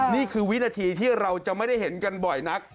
นี่คือวินาทีที่เราจะไม่ได้เห็นกันบ่อยนัก